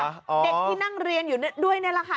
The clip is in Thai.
เด็กที่นั่งเรียนอยู่ด้วยนี่แหละค่ะ